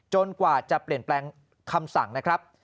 กว่าจะเปลี่ยนแปลงคำสั่งนะครับ